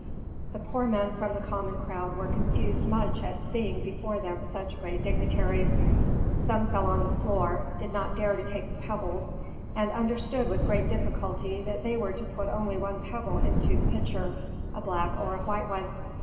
The poor men from the common crowd were confused much at seeing before them such great dignitaries. Some fell on the floor, did not dare to take the pebbles, and understood with great difficulty that they were to put only one pebble into the pitcher, a black or a white one.